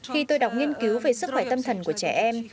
khi tôi đọc nghiên cứu về sức khỏe tâm thần của trẻ em